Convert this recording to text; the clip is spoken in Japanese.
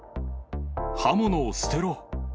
刃物を捨てろ。